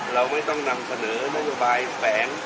เรามิติจะนำตะเนินนโยบายแปลง